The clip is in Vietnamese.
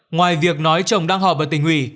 ngoài việc nói chồng đang họp ở tỉnh hủy